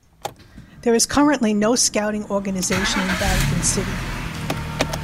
There is currently no Scouting organization in Vatican City.